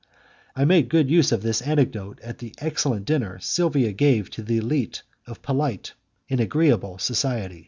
I made good use of this anecdote at the excellent dinner Silvia gave to the elite of polite and agreeable society.